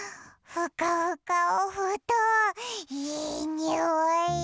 ふかふかおふとんいいにおい！